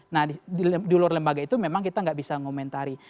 nah di luar lembaga itu memang kita nggak bisa ngomentari